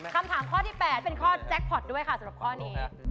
คำถามข้อที่๘เป็นข้อแจ็คพอร์ตด้วยค่ะสำหรับข้อนี้